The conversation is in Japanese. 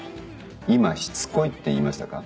今「しつこい」って言いましたか？